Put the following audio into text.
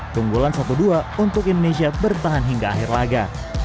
keunggulan satu dua untuk indonesia bertahan hingga akhir laga